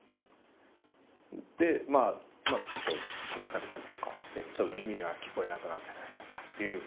でまあちょっとたたかれたりとかしてちょっと耳が聞こえなくなってたりとかという。